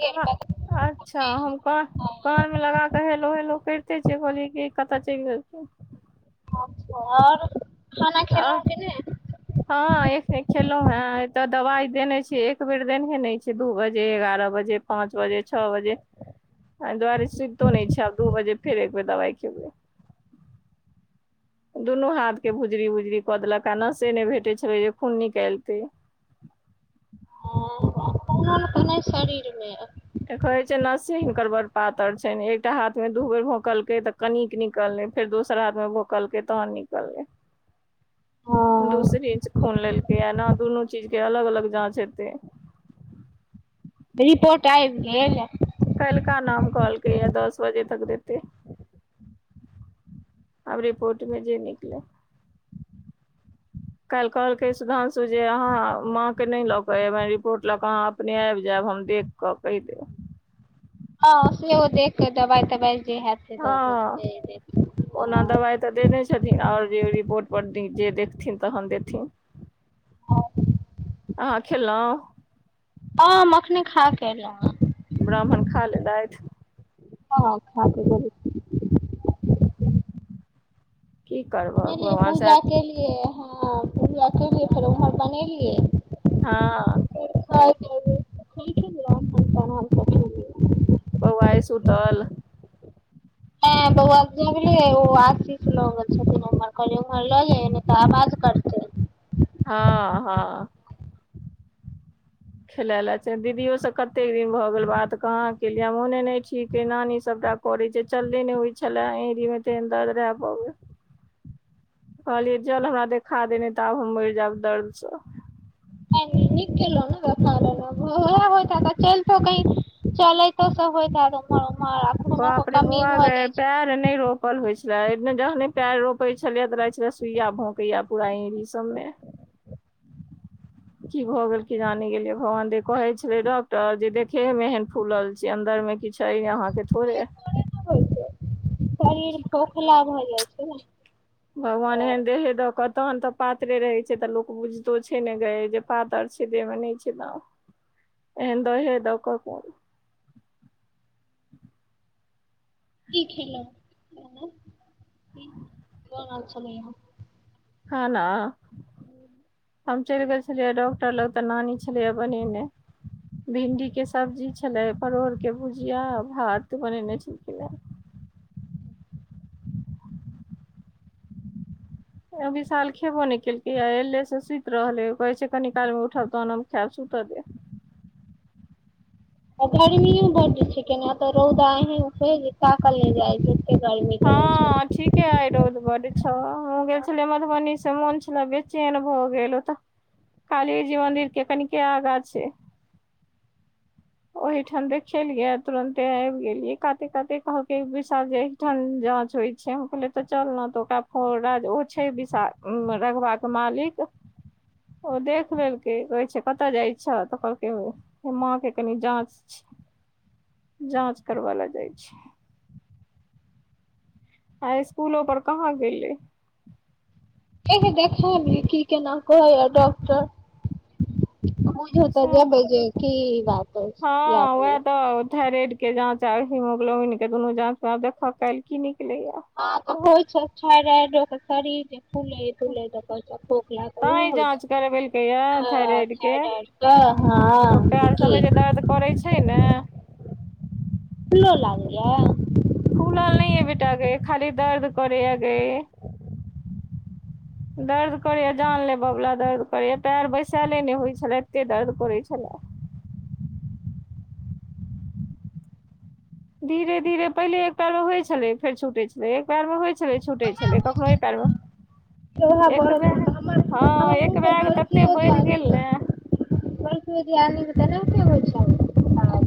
आ अच्छा हम क कान मे आओर लगा कऽ हेल - हलो करिते छिये कहली की कतऽ चैल गेल [unintelligible] खाना आ खेलह कि नय हँ एकखने खेलौ हेय एतऽ दवाई देने छिए एक बेर देनेहे नै छै दू बजे एगारह बजे। पाँंच बजे छ बजे एहि दुआरे सुइततो नय छै आब दू बजे फेर एकबेर दवाई खेबै दुनू हाथ केँ भुजरी भुजरी कऽ देलक आ नसे नय भेटे छलै जे खून निकाइलतै [unintelligible] [unintelligible] शरीरमे तऽ कहै छै नसे हिनकर बड़ पातर छैन एकटा हाथ मे दू बेर भोकलकेय तऽ कनिक निकल लै। फेर दोसर हाथमे भूकलकै तहन निकललै। [inaudible] हँ दू सिरींच खून लेलकै यऽ नऽ दुनू चीज केँ अलग - अलग जाँच हेतै रिपोर्ट आबि गेल कल्का नाम कहलकै यऽ दस बजे तक देतै अब रिपोर्ट मे जे निकलै [inaudible] काल्हि कहलकै सुधांशु जे अहाँ माँ केँ नय लऽ कऽ एबैन रिपोर्ट लऽ कऽ अहाँ अपने आबि जायब हम देख क कहि देब हँ सेहो देखकेऽ दबाइ तबाइ जे हैत से दऽ हँ देत [unintelligible] ओना हँ दबाइ तऽ देने छथिन आओर जे रिपोर्ट पर जे देखथिन तहन देथिन अहाँ खेलहु हँ हम अखने खा कऽ एलहुँ हँ ब्राह्मण खा लेलैथ हँ हँ खा कऽ गेल की करबै बनेलियै पूजा केलियै हँ पूजा केलियै फेर ओम्हर बनेलियै हँ [unintelligible] बौआ आइ सुतल ऐ बौआ जगलै यऽ ओ आशीस लऽ गेल छथिन उम्हर कहलियै उम्हर लऽ जयो नय तऽ आवाज करतई। हँ हँ खेलाय लए छै दीदीयो सँ कतेक दिन भऽ गेल बात कहाँ केलियै मोने नहि ठीक नानी सभटा करै छै चले नय होइ छलै एड़ी मे तेहेन दर्द रहै पबे [inaudible] कहलियै चल हमरा देखा दे नैय तऽ आब हम मैर जायब दर्द सँ। नीक केलहु न देखाय लेलहुँ हँ ओहै होइत हैत आ चलतो कही चलैतो सँ होइत हैत [unintelligible] बापरे कमी बोआ भऽ गए जाइ छै पैर नैह रोपल होइ छलै जखने पैर रोपै छलियै तऽ रहै छले सुइया भौकैय यऽ पूरा एड़ी सब मे [inaudible] की भऽ गेल किया नै गेलियै भगवान दे कहै छलै डॉक्टर जे देखे मे ऐहैन फुलल छी अन्दर मे किछ यऽअहाँकेँ थोड़े [inaudible] होइ छै शरीर की खोखला भऽ जाइ छै न भगवान एहन देहे दऽ कऽ तहन तऽ पात्रे रहैत छै तऽ लोक बुझितो छै न गए जे पातर छै देह मे नहि छै दम [inaudible] एहन दहे दऽ कऽ कोन की खेलों [unintelligible] खाना [inaudible] हम चैल गेल छलियै डॉक्टर लग तऽ नानी छै छलैय बनेनै भिंडी केँ सब्जी छलै परोर केँ भुजिया भात बनेने छलखिन रहै विशाल खेबो नहि केलकै या ऐले से सुत रहले कहै छै कनी काल मे उठब तहन खायब सुत दे आ गर्मियो बढ़ जे छै केना तऽ रौदा एहन छै जे ताकल नहि जाइ छै गर्मी केने हँ ठीक छै - ठीके आए रौद बड़ छौ गेल छेलियै मधुबनी से मोन छेला बेचैन भऽ गेल ओतऽ काली जी मंदिर केँ कनि केँ आगा छै ओहि ठाम देखेलिये तुरंते आबि गेलियै काते काते कहलकेँ विशाल ठण जाँच होइ छै हम कहलिए तऽ चल न तऽ ओकरा फोरा ओ छै विशाल उऽ मऽ रघबा कऽ मालिक ओ देख लेलकै कहै छै कतऽ जाइ छ तऽ कहलकै माँ केँ कनि जाँच [inaudible] जाँच करबै लऽ जाइ छी आए इसकुलो पर कहाँ गेले [unintelligible] सएह [unintelligible] ओ थाइरेड केँ जाँच आ हिमोग्लोबिन केँ दुनू जाँच मे आब देख काइल की निकलेय उऽ हो छै थराइडो स शरीर जे फुले तैं जाँच करबेलकै या थायराइड के [unintelligible] तऽ हँ देखि पड़ै छै नै फुल्लो लागै यऽ फुलल नहि यऽ बेटागै खाली दर्द करै यऽ गै दर्द करैए जान लेबवला दर्द करैए पैर बैसायले नहि होइत छलए एतेक दर्द करैत छलै धीरे धीरे पहिले एक पैर मे होइत छलै फेर छुटै छलै एक पैर मे होइत छलै छुटे छलै कखनो ये पैर मे एक बैग हँ एक बैग तते [unintelligible] बढ़ि गेल ने [unintelligible]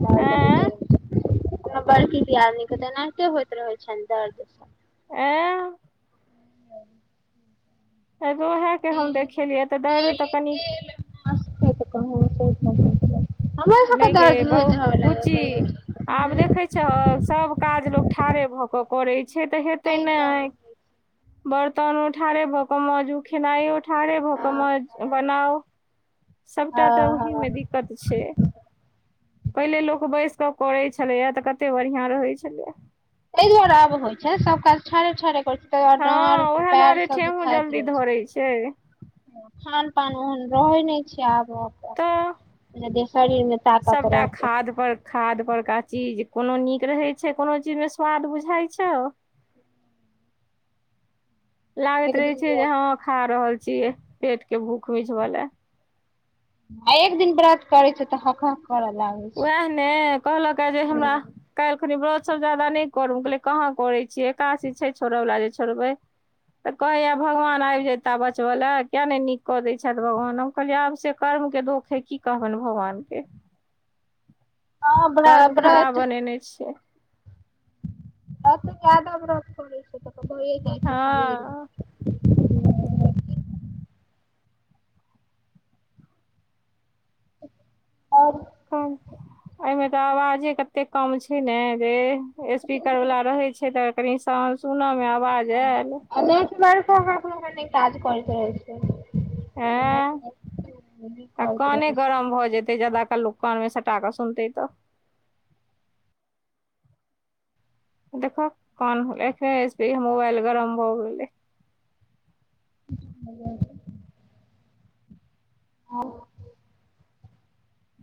[unintelligible] [inaudible] ओना बड़की दियादनी कऽ तऽ एनाहिते होइत रहैत छैन दर्द [unintelligible] [inaudible] ऐ बेर ओहै कऽ हम देखेलियै तऽ दर्द तऽ डेली कनि नहि गे बौ बुच्ची [unintelligible] आब देखै छह सब काज लोक ठाड़े भऽ कऽ करे छै तऽ हेते ताहि नै दुआरे [inaudible] बर्तनो ठारे भऽ कऽ माजू खेनाइ ठारे भऽ कऽ हँ मांज बनाउ [inaudible] सबटा तऽ ओहि हँ मे दिक्कत छै पहिले लोक बैस कऽ करे छलेय तऽ कते बढ़िया रहे छलै तैइ दुआरे अब होइ छै सब काज ठारे ठारे करै तै दुआरे हँ डारह उएह पैर दुआरे सब ठेहुँ दुखाइत जल्दी रहै छै धरै [inaudible] खान पान ओहन रहै नहि छै तऽ आब-आब जे शरीरमे ताकत सभटा रहतैय खाद पर खाद परका चीज कोनो नीक रहै छै कोनो चीजमे स्वाद बुझाइ छौ लागैत एक रहै दिन छै जे व्रत हाँ खा रहल छियै पेट के भूख मिछवलाए आ एक दिन व्रत करै छै तऽ हक करऽ लागै छै उएह ने कहलक आय जे हमरा काल्हिखनि व्रत सब ज्यादा नहि करु हम कहलियै कहाँ करै छियै एकादशी छै छोड़यवला जे छोड़बै तऽ कहैया भगवान आबि जता बचबैय लाए किया नहि नीक कऽ दै छथि भगवानो कहलियै आब से कर्म के दोख अछि की कहबनि भगवान के हँ कर्म खराब व्रत बनेने छियै त ज्यादा व्रत करै छै तऽ होे जाइ छै शरीरमे हँ आओर [unintelligible] एहिमे तऽ आवाजे कते कम छै ने जे स्पीकर वला रहैत छै तऽ कनि साउंड सुनऽमे आवाज आयल [unintelligible] [unintelligible] नै काज करैत रहै छै हाँय नेटवर्क तऽ करैत कान रहै छै गरम भऽ जेतै एते ज्यादा काल लोक कानमे सटा कऽ सुनतै तऽ देखहक कान होलै एखने स-मोबाइल गरम भऽ गेलै [unintelligible] आ [unintelligible]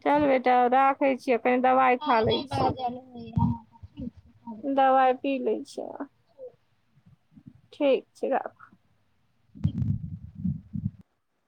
चल बेटा अब राखै छियौ पें-दवाइ हाँ नहि बाजल होइ या दबाइ पी लै छियह ठीक छै राखू [inaudible]